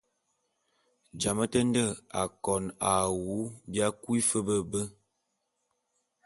A jamé te nde akon a awu bia kui fe be be.